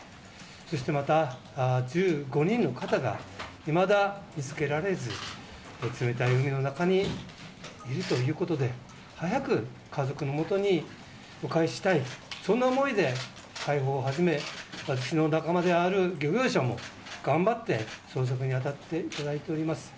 そしてまた、１５人の方がいまだ、見つけられず冷たい海の中にいるということで早く家族のもとにお返ししたいそんな思いで私の仲間である漁業者も頑張って捜索に当たっています。